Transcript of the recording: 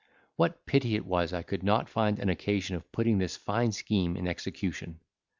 What pity it was I could not find an occasion of putting this fine scheme in execution!